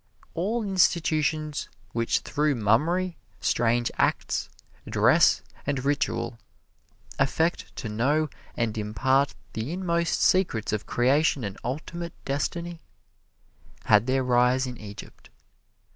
All institutions which through mummery, strange acts, dress and ritual, affect to know and impart the inmost secrets of creation and ultimate destiny, had their rise in Egypt.